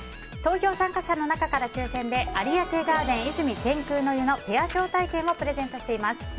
投票参加者の中から抽選で有明ガーデン泉天空の湯のペア招待券をプレゼントしています。